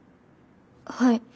はい。